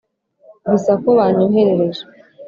bisa ko banyoherereje